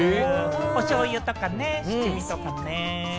おしょうゆとかね、七味とかね。